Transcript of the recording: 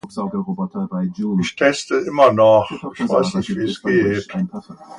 Both the human and vegetable representative of the goddess are worshipped.